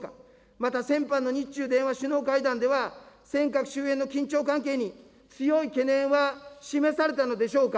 また先般の日中電話首脳会談では、尖閣周辺の緊張関係に強い懸念は示されたのでしょうか。